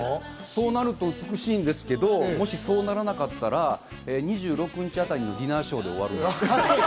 そうなると美しいんですけど、もしそうならなかったら、２６日あたりにディナーショーで終わるんです。